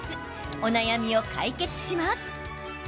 お悩みを解決します。